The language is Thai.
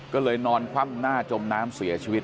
ก็เลยนอนคว่ำหน้าจมน้ำเสียชีวิต